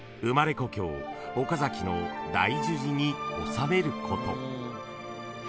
故郷岡崎の大樹寺に納めること］